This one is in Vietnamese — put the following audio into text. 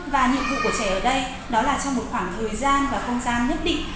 và nhiệm vụ của trẻ ở đây đó là trong một khoảng thời gian và không gian nhất định